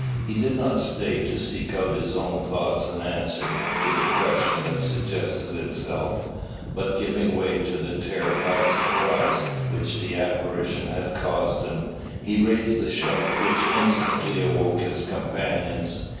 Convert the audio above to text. He did not stay to seek out of his own thoughts an answer to the question that suggested itself; but giving way to the terrified surprise which the apparition had caused him, he raised a shout which instantly awoke his companions.